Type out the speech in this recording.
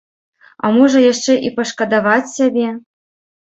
А можа, яшчэ і пашкадаваць сябе?